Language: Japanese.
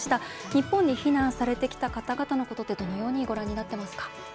日本に避難された方々のことでどのようにご覧になってますか？